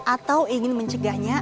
atau ingin mencegahnya